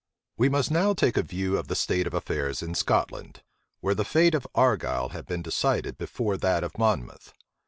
We must now take a view of the state of affairs in Scotland; where the fate of Argyle had been decided before that of Monmouth.